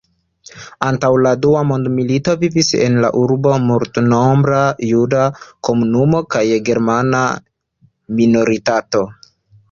Antaŭ la dua mondmilito vivis en la urbo multnombra juda komunumo kaj germana minoritato.